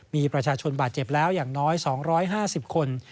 มีประชาชนบาดเจ็บแล้วอย่างน้อย๒๕๐คน